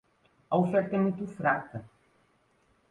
A oferta é muito fraca.